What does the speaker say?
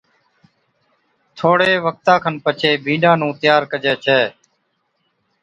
ٿوڙهي وقتا کن پڇي بِينڏا نُون تيار ڪَجي ڇَي